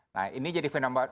nah ini jadi fenomenal